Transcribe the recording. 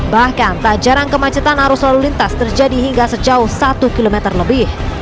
bahkan tak jarang kemacetan arus lalu lintas terjadi hingga sejauh satu km lebih